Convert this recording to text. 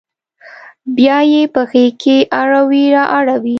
بیا یې په غیږ کې اړوي را اوړي